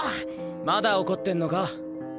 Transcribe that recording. まだ怒ってんのか？